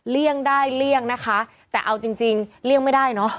เลี่ยงได้เลี่ยงนะคะแต่เอาจริงจริงเลี่ยงไม่ได้เนอะ